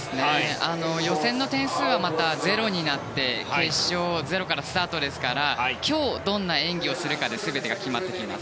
予選の点数はまたゼロになって決勝、ゼロからスタートですから今日、どんな演技をするかで全てが決まってきます。